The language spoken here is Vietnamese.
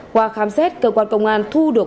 qua khám xét cơ quan công an thu được